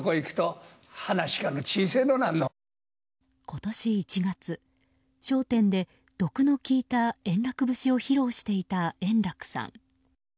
今年１月、「笑点」で毒の効いた円楽節を披露していた円楽さん。